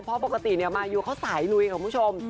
เพราะปกติมายูเขาสายลุยค่ะคุณผู้ชม